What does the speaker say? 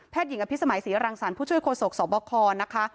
แพทย์หญิงอศรีรังสรรค์ผู้ช่วยโครสกสบคนะคะ